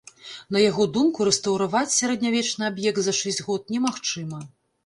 На яго думку рэстаўраваць сярэднявечны аб'ект за шэсць год немагчыма.